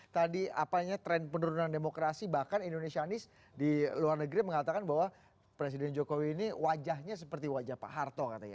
tadi apanya tren penurunan demokrasi bahkan indonesia anies di luar negeri mengatakan bahwa presiden jokowi ini wajahnya seperti wajah pak harto katanya